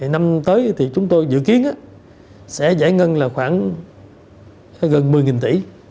năm tới thì chúng tôi dự kiến sẽ giải ngân là khoảng gần một mươi tỷ